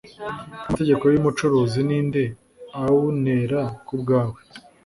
Amategeko yumucuruzi ninde aunera kubwawe